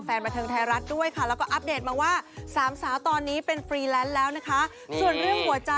แต่จริงหนูคิดว่าที่หวานที่สูงต้องเป็นพี่เนยหรือเปล่า